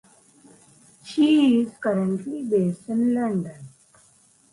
She is currently based in London.